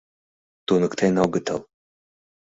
Туныктен огытыл.